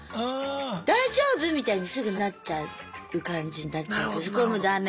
「大丈夫？」みたいにすぐなっちゃう感じになっちゃうけどこれもダメ？